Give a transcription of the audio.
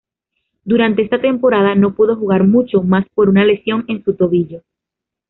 Durante esa temporada no pudo jugar mucho más por una lesión en su tobillo.